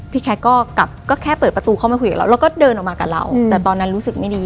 แคทก็กลับก็แค่เปิดประตูเข้ามาคุยกับเราแล้วก็เดินออกมากับเราแต่ตอนนั้นรู้สึกไม่ดี